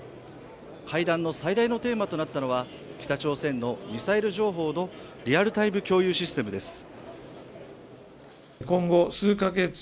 会談の最大のテーマとなったのは北朝鮮のミサイル情報のリアルタイム共有システムです。